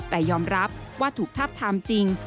แต่ยอมรับว่าถูกทับทามจริง